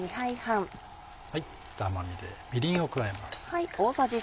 甘みでみりんを加えます。